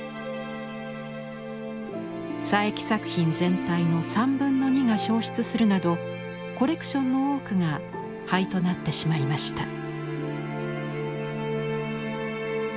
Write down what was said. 佐伯作品全体の３分の２が焼失するなどコレクションの多くが灰となってしまいました。